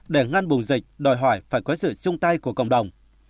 để ngăn bùng dịch đòi hỏi phải có sự chung tay của cộng đồng